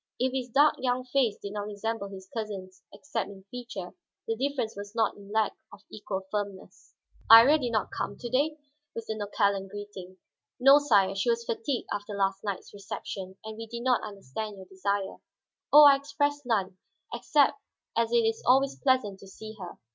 If his dark young face did not resemble his cousin's except in feature, the difference was not in lack of equal firmness. "Iría did not come to day?" was the nonchalant greeting. "No, sire. She was fatigued after last night's reception, and we did not understand your desire." "Oh, I expressed none, except as it is always pleasant to see her.